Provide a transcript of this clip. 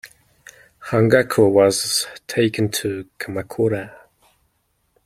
Hangaku was taken to Kamakura.